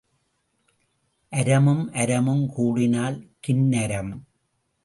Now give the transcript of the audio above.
அரமும் அரமும் கூடினால் கின்னரம்.